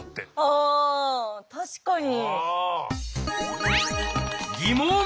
ああ確かに。